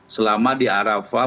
selama di arafah